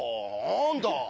何だ！